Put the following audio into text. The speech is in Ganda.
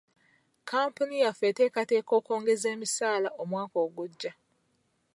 Kkampuni yaffe eteekateeka okwongeza emisaala omwaka ogujja.